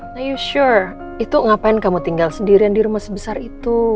are you sure itu ngapain kamu tinggal sendirian di rumah sebesar itu